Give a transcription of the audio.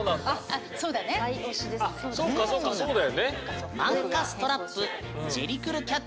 あっそっかそっかそうだよね。